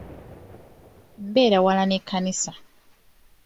Mbeera wala n'ekkanisa.